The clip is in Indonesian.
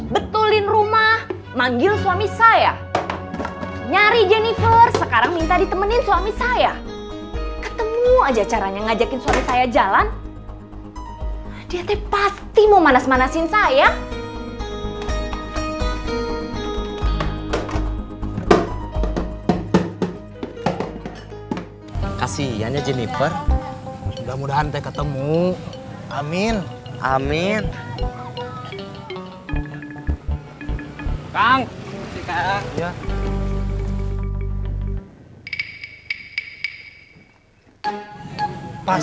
betulin rumah manggil suami saya